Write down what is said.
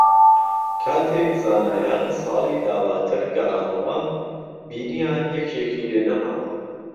کاتێک زانایان ساڵی داواتر گەڕانەوە، بینییان یەکێکی لێ نەماوە